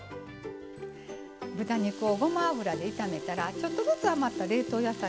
豚肉をごま油で炒めたらちょっとずつ余った冷凍野菜